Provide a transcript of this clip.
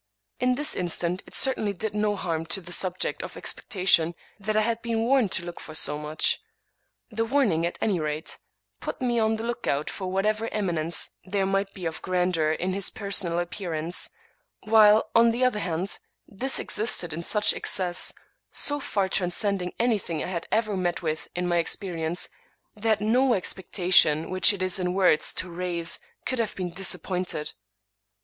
In this instance it certainly did no harm to the subject of expecta tion that I had been warned to look for so much. The warning, at any rate, put me on the lookout for whatever eminence there might be of grandeur in his personal ap pearance; while, on the other hand, this existed in such excess, so far transcending anything I had ever met with in my experience, that no expectation which it is in words to raise could have been disappointed.